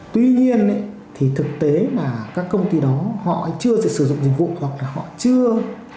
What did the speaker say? tuy nhiên thì thực tế mà các công ty đó họ chưa thể sử dụng dịch vụ hoặc là họ chưa